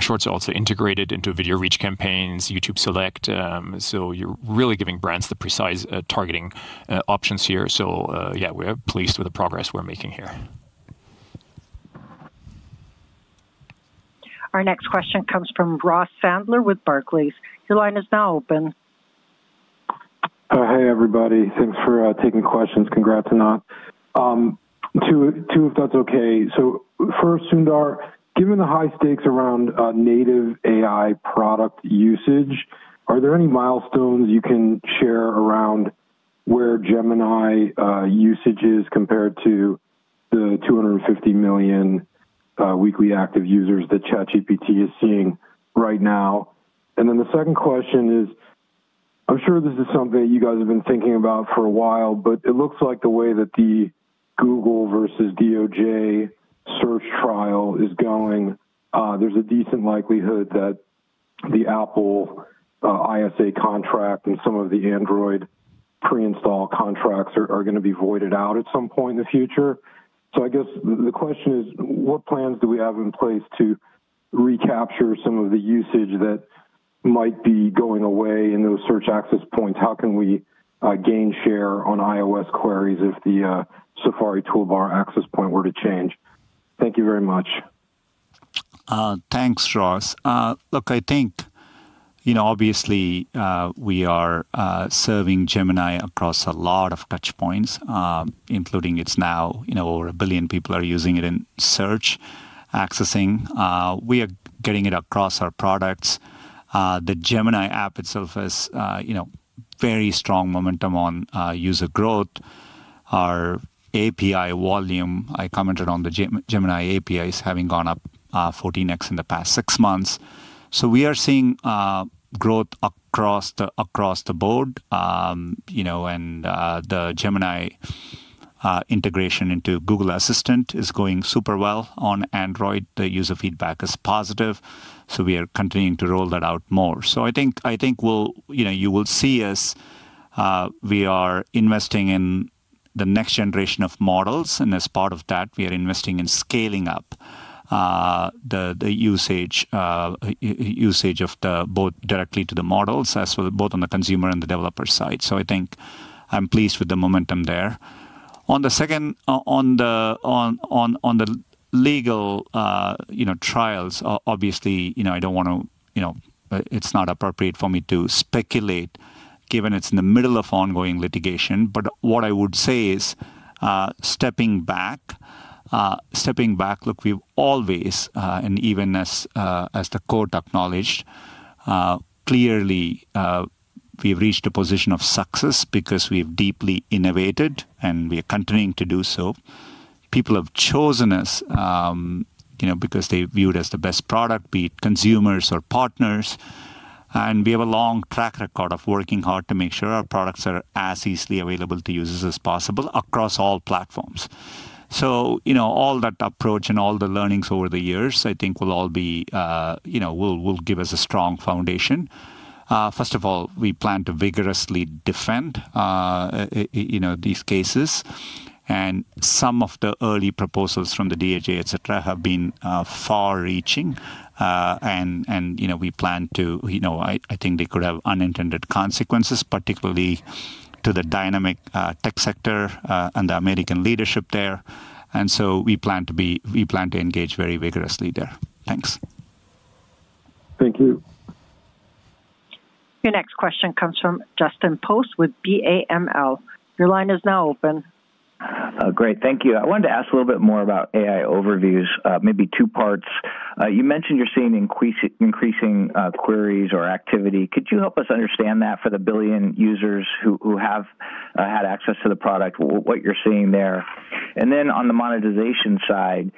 Shorts are also integrated into Video Reach Campaigns, YouTube Select. So you're really giving brands the precise targeting options here. So yeah, we're pleased with the progress we're making here. Our next question comes from Ross Sandler with Barclays. Your line is now open. Hey, everybody. Thanks for taking the questions. Congrats, Anat. Two, if that's okay. So first, Sundar, given the high stakes around native AI product usage, are there any milestones you can share around where Gemini usage is compared to the 250 million weekly active users that ChatGPT is seeing right now? And then the second question is, I'm sure this is something that you guys have been thinking about for a while, but it looks like the way that the Google versus DOJ Search trial is going, there's a decent likelihood that the Apple ISA contract and some of the Android pre-install contracts are going to be voided out at some point in the future. So I guess the question is, what plans do we have in place to recapture some of the usage that might be going away in those search access points? How can we gain share on iOS queries if the Safari toolbar access point were to change? Thank you very much. Thanks, Ross. Look, I think obviously we are serving Gemini across a lot of touch points, including, it's now over a billion people are using it in Search accessing. We are getting it across our products. The Gemini app itself has very strong momentum on user growth. Our API volume, I commented on the Gemini APIs, having gone up 14x in the past six months. So we are seeing growth across the board. And the Gemini integration into Google Assistant is going super well. On Android, the user feedback is positive. So we are continuing to roll that out more. I think you will see us. We are investing in the next generation of models. As part of that, we are investing in scaling up the usage of both directly to the models as well as both on the consumer and the developer side. I think I'm pleased with the momentum there. On the legal trials, obviously, I don't want to. It's not appropriate for me to speculate given it's in the middle of ongoing litigation. What I would say is stepping back, look, we've always, and even as the court acknowledged, clearly we've reached a position of success because we've deeply innovated and we are continuing to do so. People have chosen us because they viewed us as the best product, be it consumers or partners. We have a long track record of working hard to make sure our products are as easily available to users as possible across all platforms. So all that approach and all the learnings over the years, I think will all give us a strong foundation. First of all, we plan to vigorously defend these cases. Some of the early proposals from the DOJ, et cetera, have been far-reaching. We plan to. I think they could have unintended consequences, particularly to the dynamic tech sector and the American leadership there. So we plan to engage very vigorously there. Thanks. Thank you. Your next question comes from Justin Post with BAML. Your line is now open. Great. Thank you. I wanted to ask a little bit more about AI Overviews, maybe two parts. You mentioned you're seeing increasing queries or activity. Could you help us understand that for the billion users who have had access to the product, what you're seeing there? And then on the monetization side,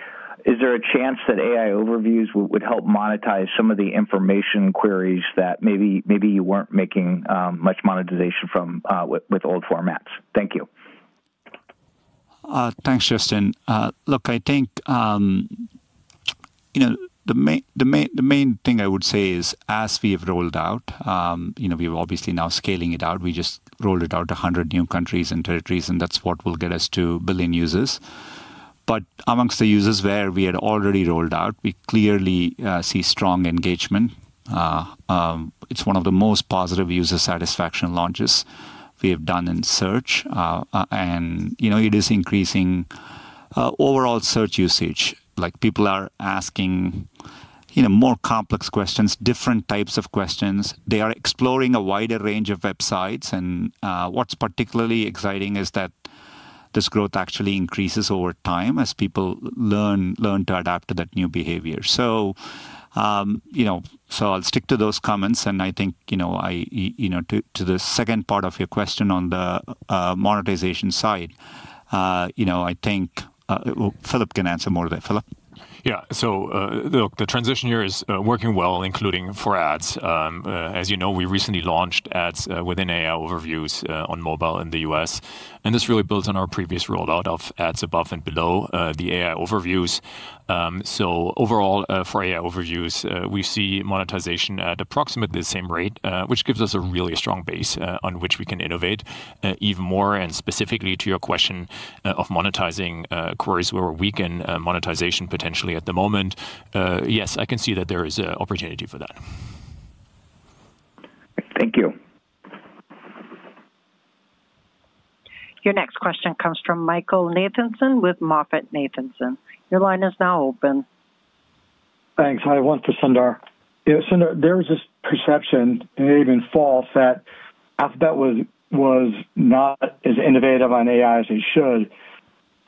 is there a chance that AI Overviews would help monetize some of the information queries that maybe you weren't making much monetization from with old formats? Thank you. Thanks, Justin. Look, I think the main thing I would say is as we have rolled out, we're obviously now scaling it out. We just rolled it out to 100 new countries and territories, and that's what will get us to billion users. But amongst the users where we had already rolled out, we clearly see strong engagement. It's one of the most positive user satisfaction launches we have done in Search. And it is increasing overall search usage. People are asking more complex questions, different types of questions. They are exploring a wider range of websites, and what's particularly exciting is that this growth actually increases over time as people learn to adapt to that new behavior, so I'll stick to those comments, and I think to the second part of your question on the monetization side, I think Philipp can answer more there. Philipp? Yeah, so look, the transition here is working well, including for ads. As you know, we recently launched ads within AI Overviews on mobile in the U.S., and this really builds on our previous rollout of ads above and below the AI Overviews, so overall, for AI Overviews, we see monetization at approximately the same rate, which gives us a really strong base on which we can innovate even more. Specifically to your question of monetizing queries where we can monetize potentially at the moment, yes, I can see that there is an opportunity for that. Thank you. Your next question comes from Michael Nathanson with MoffettNathanson. Your line is now open. Thanks. Hi, one for Sundar. Sundar, there is this perception, maybe even false, that Alphabet was not as innovative on AI as they should.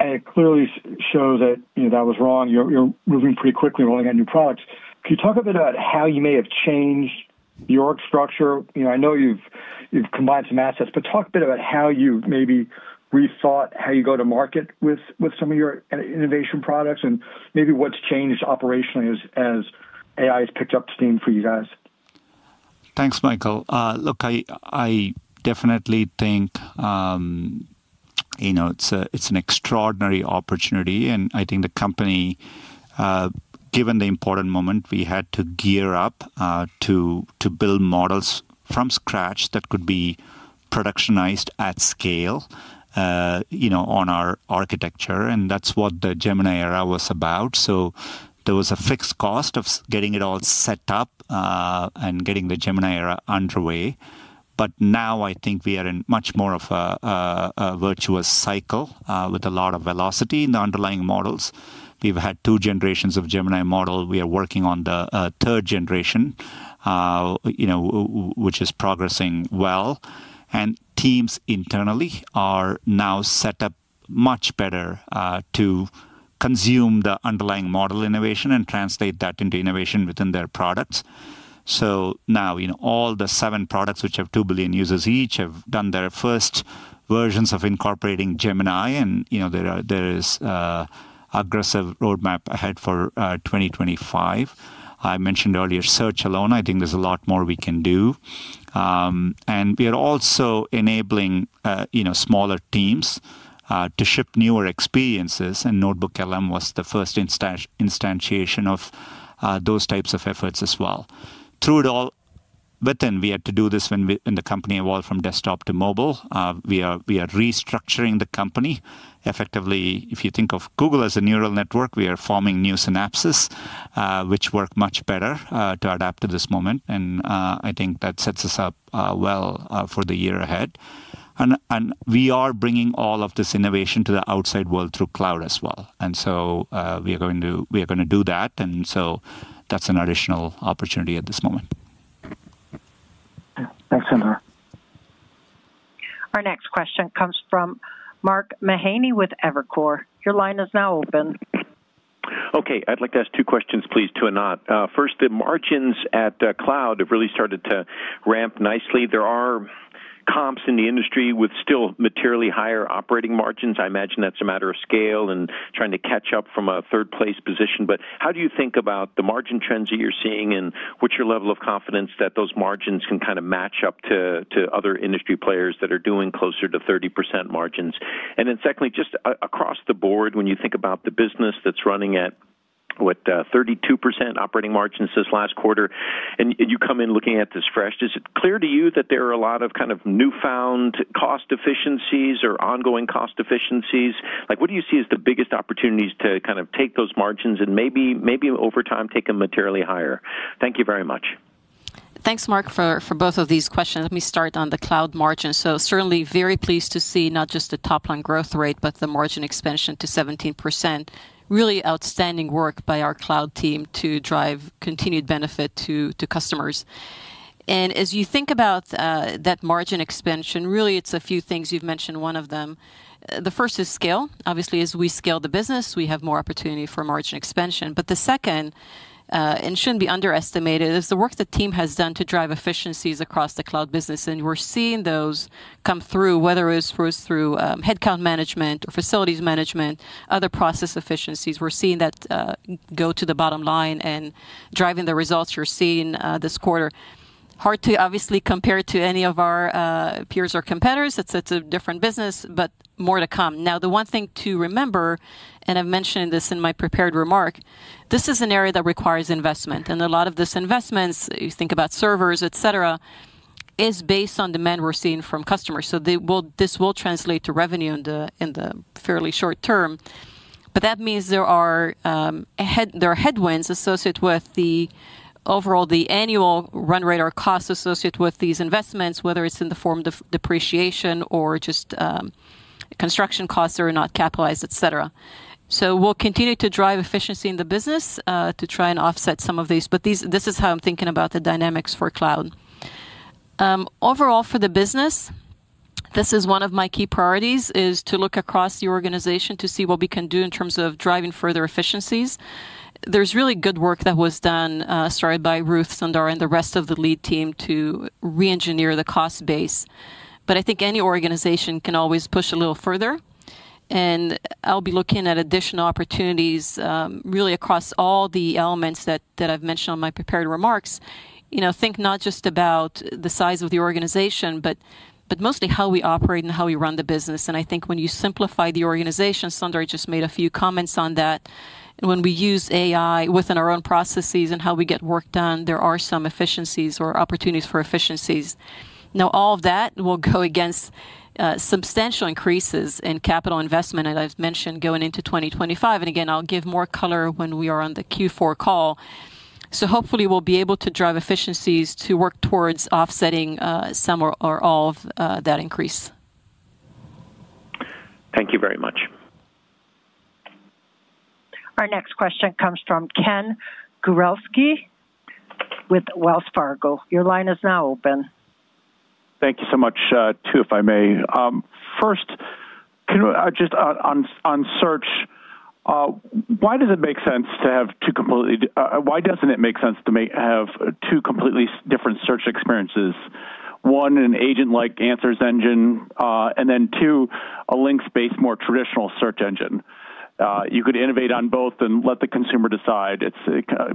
It clearly shows that that was wrong. You're moving pretty quickly, rolling out new products. Can you talk a bit about how you may have changed your structure? I know you've combined some assets, but talk a bit about how you've maybe rethought how you go to market with some of your innovation products and maybe what's changed operationally as AI has picked up steam for you guys. Thanks, Michael. Look, I definitely think it's an extraordinary opportunity. I think the company, given the important moment, we had to gear up to build models from scratch that could be productionized at scale on our architecture. That's what the Gemini era was about. There was a fixed cost of getting it all set up and getting the Gemini era underway. Now I think we are in much more of a virtuous cycle with a lot of velocity in the underlying models. We've had two generations of Gemini model. We are working on the third generation, which is progressing well. Teams internally are now set up much better to consume the underlying model innovation and translate that into innovation within their products. Now all the seven products, which have two billion users each, have done their first versions of incorporating Gemini. There is an aggressive roadmap ahead for 2025. I mentioned earlier Search alone, I think there's a lot more we can do. And we are also enabling smaller teams to ship newer experiences. And NotebookLM was the first instantiation of those types of efforts as well. Through it all, within, we had to do this when the company evolved from desktop to mobile. We are restructuring the company. Effectively, if you think of Google as a neural network, we are forming new synapses, which work much better to adapt to this moment. And I think that sets us up well for the year ahead. And we are bringing all of this innovation to the outside world through Cloud as well. And so we are going to do that. And so that's an additional opportunity at this moment. Thanks, Sundar. Our next question comes from Mark Mahaney with Evercore. Your line is now open. Okay. I'd like to ask two questions, please, to Anat. First, the margins at Cloud have really started to ramp nicely. There are comps in the industry with still materially higher operating margins. I imagine that's a matter of scale and trying to catch up from a third-place position. But how do you think about the margin trends that you're seeing and what's your level of confidence that those margins can kind of match up to other industry players that are doing closer to 30% margins? And then secondly, just across the board, when you think about the business that's running at what, 32% operating margins this last quarter, and you come in looking at this fresh, is it clear to you that there are a lot of kind of newfound cost efficiencies or ongoing cost efficiencies? What do you see as the biggest opportunities to kind of take those margins and maybe over time take them materially higher? Thank you very much. Thanks, Mark, for both of these questions. Let me start on the Cloud margins. So certainly very pleased to see not just the top-line growth rate, but the margin expansion to 17%. Really outstanding work by our Cloud team to drive continued benefit to customers. And as you think about that margin expansion, really it's a few things you've mentioned. One of them, the first is scale. Obviously, as we scale the business, we have more opportunity for margin expansion. But the second, and shouldn't be underestimated, is the work that team has done to drive efficiencies across the Cloud business. And we're seeing those come through, whether it's through headcount management or facilities management, other process efficiencies. We're seeing that go to the bottom line and driving the results you're seeing this quarter. Hard to obviously compare to any of our peers or competitors. It's a different business, but more to come. Now, the one thing to remember, and I've mentioned this in my prepared remark, this is an area that requires investment. And a lot of this investments, you think about servers, et cetera, is based on demand we're seeing from customers. So this will translate to revenue in the fairly short term. But that means there are headwinds associated with the overall annual run rate or cost associated with these investments, whether it's in the form of depreciation or just construction costs that are not capitalized, et cetera. So we'll continue to drive efficiency in the business to try and offset some of these. But this is how I'm thinking about the dynamics for Cloud. Overall, for the business, this is one of my key priorities, is to look across the organization to see what we can do in terms of driving further efficiencies. There's really good work that was done, started by Ruth, Sundar, and the rest of the lead team to re-engineer the cost base, but I think any organization can always push a little further, and I'll be looking at additional opportunities really across all the elements that I've mentioned on my prepared remarks. Think not just about the size of the organization, but mostly how we operate and how we run the business, and I think when you simplify the organization, Sundar just made a few comments on that, and when we use AI within our own processes and how we get work done, there are some efficiencies or opportunities for efficiencies. Now, all of that will go against substantial increases in capital investment, as I've mentioned, going into 2025. And again, I'll give more color when we are on the Q4 call. So hopefully, we'll be able to drive efficiencies to work towards offsetting some or all of that increase. Thank you very much. Our next question comes from Ken Gawrelski with Wells Fargo. Your line is now open. Thank you so much, too, if I may. First, just on Search, why doesn't it make sense to have two completely different search experiences? One, an agent-like answers engine, and then two, a links-based more traditional search engine. You could innovate on both and let the consumer decide.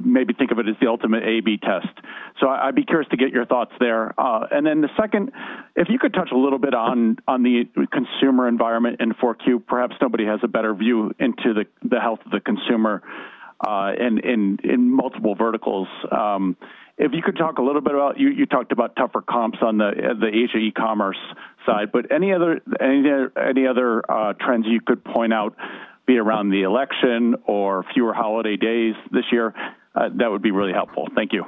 Maybe think of it as the ultimate A/B test. So I'd be curious to get your thoughts there. And then the second, if you could touch a little bit on the consumer environment in Q4, perhaps nobody has a better view into the health of the consumer in multiple verticals. If you could talk a little bit about, you talked about tougher comps on the Asia e-commerce side. But any other trends you could point out, be it around the election or fewer holiday days this year, that would be really helpful. Thank you.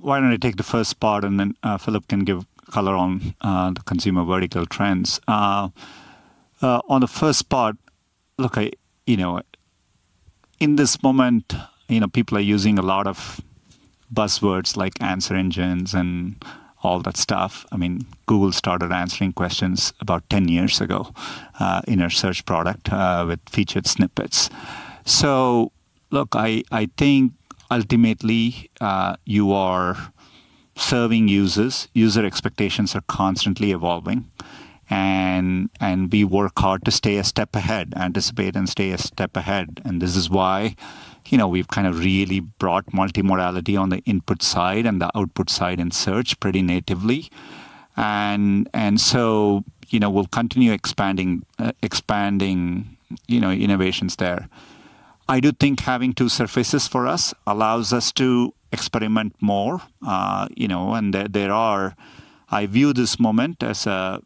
Why don't I take the first part, and then Philipp can give color on the consumer vertical trends. On the first part, look, in this moment, people are using a lot of buzzwords like answer engines and all that stuff. I mean, Google started answering questions about 10 years ago in our Search product with featured snippets. So look, I think ultimately you are serving users. User expectations are constantly evolving. We work hard to stay a step ahead, anticipate and stay a step ahead. This is why we've kind of really brought multimodality on the input side and the output side in Search pretty natively. We'll continue expanding innovations there. I do think having two surfaces for us allows us to experiment more. There are, I view this moment as a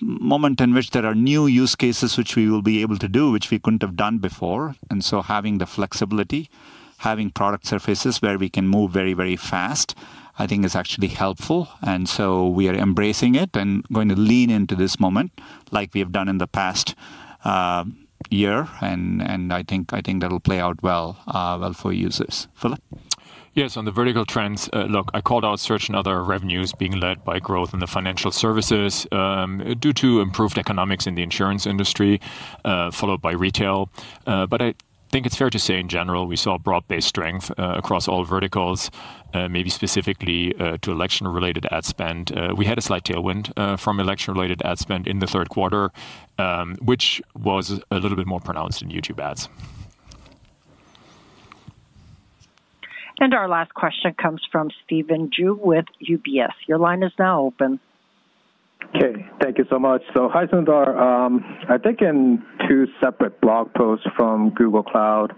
moment in which there are new use cases which we will be able to do, which we couldn't have done before. Having the flexibility, having product surfaces where we can move very, very fast, I think is actually helpful. We are embracing it and going to lean into this moment like we have done in the past year. I think that'll play out well for users. Philipp? Yes, on the vertical trends, look, I called out Search and other revenues being led by growth in the financial services due to improved economics in the insurance industry, followed by retail. But I think it's fair to say in general, we saw broad-based strength across all verticals, maybe specifically to election-related ad spend. We had a slight tailwind from election-related ad spend in the third quarter, which was a little bit more pronounced in YouTube ads. And our last question comes from Stephen Ju with UBS. Your line is now open. Okay. Thank you so much. So hi, Sundar. I think in two separate blog posts from Google Cloud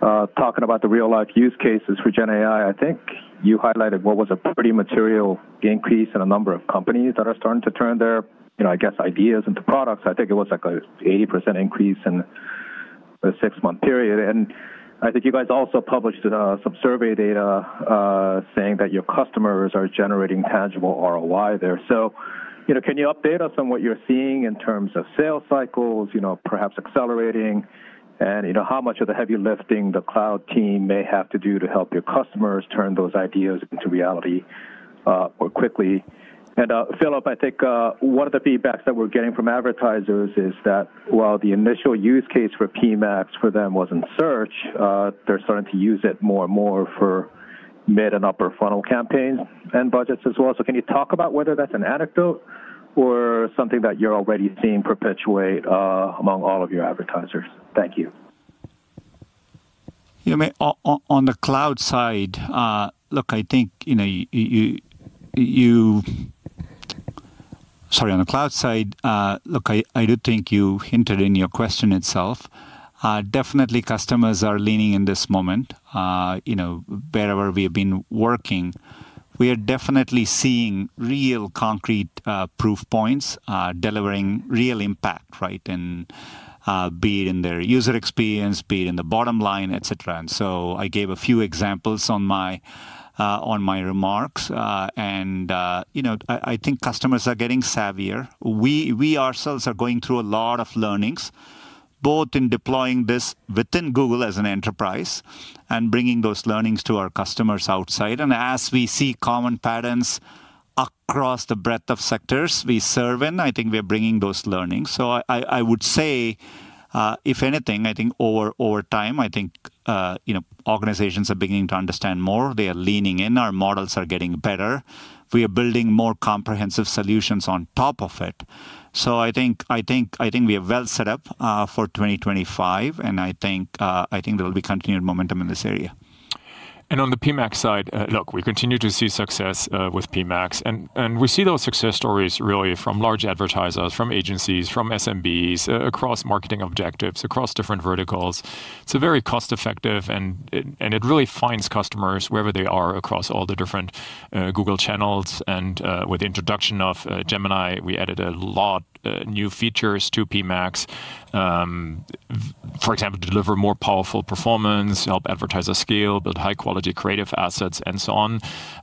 talking about the real-life use cases for GenAI, I think you highlighted what was a pretty material increase in a number of companies that are starting to turn their, I guess, ideas into products. I think it was like an 80% increase in the six-month period. And I think you guys also published some survey data saying that your customers are generating tangible ROI there. So can you update us on what you're seeing in terms of sales cycles, perhaps accelerating, and how much of the heavy lifting the Cloud team may have to do to help your customers turn those ideas into reality more quickly? And Philipp, I think one of the feedbacks that we're getting from advertisers is that while the initial use case for PMax for them was in Search, they're starting to use it more and more for mid and upper funnel campaigns and budgets as well. So can you talk about whether that's an anecdote or something that you're already seeing perpetuate among all of your advertisers? Thank you. On the Cloud side, look, I do think you hinted in your question itself. Definitely, customers are leaning in this moment. Wherever we have been working, we are definitely seeing real concrete proof points delivering real impact, right, and be it in their user experience, be it in the bottom line, et cetera. And so I gave a few examples on my remarks. And I think customers are getting savvier. We ourselves are going through a lot of learnings, both in deploying this within Google as an enterprise and bringing those learnings to our customers outside. And as we see common patterns across the breadth of sectors we serve in, I think we are bringing those learnings. So I would say, if anything, I think over time, I think organizations are beginning to understand more. They are leaning in. Our models are getting better. We are building more comprehensive solutions on top of it. So I think we are well set up for 2025. And I think there will be continued momentum in this area. And on the PMax side, look, we continue to see success with PMax. And we see those success stories really from large advertisers, from agencies, from SMBs, across marketing objectives, across different verticals. It's very cost-effective, and it really finds customers wherever they are across all the different Google channels. And with the introduction of Gemini, we added a lot of new features to PMax, for example, to deliver more powerful performance, help advertisers scale, build high-quality creative assets, and so on.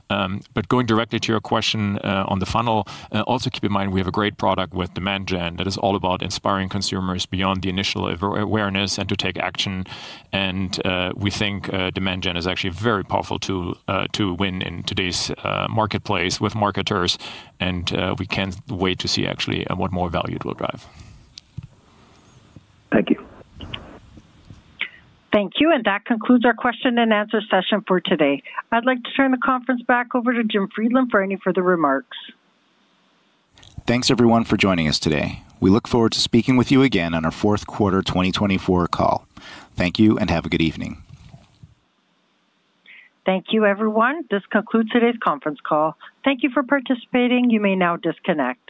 But going directly to your question on the funnel, also keep in mind we have a great product with Demand Gen that is all about inspiring consumers beyond the initial awareness and to take action. And we think Demand Gen is actually a very powerful tool to win in today's marketplace with marketers. And we can't wait to see actually what more value it will drive. Thank you. Thank you. And that concludes our question and answer session for today. I'd like to turn the conference back over to Jim Friedland for any further remarks. Thanks, everyone, for joining us today. We look forward to speaking with you again on our fourth quarter 2024 call. Thank you, and have a good evening. Thank you, everyone. This concludes today's conference call. Thank you for participating. You may now disconnect.